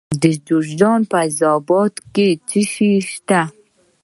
د جوزجان په فیض اباد کې څه شی شته؟